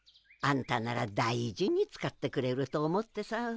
あんたなら大事に使ってくれると思ってさ。